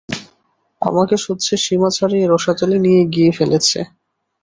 আমাকে সহ্যের সীমা ছাড়িয়ে রসাতলে নিয়ে গিয়ে ফেলছে।